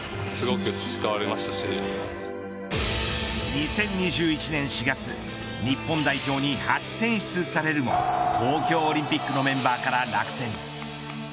２０２１年４月日本代表に初選出されるも東京オリンピックのメンバーから落選。